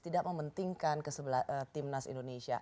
tidak mementingkan timnas indonesia